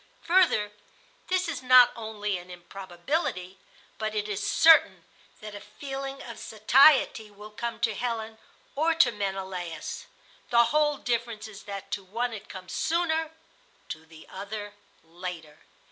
Further, this is not only an improbability, but it is certain that a feeling of satiety will come to Helen or to Menelaus. The whole difference is that to one it comes sooner, to the other later.